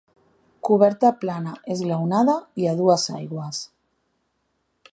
Coberta plana esglaonada i a dues aigües.